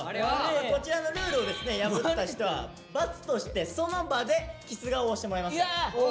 こちらのルールをですね破った人は罰としてその場でキス顔をしてもらいますので。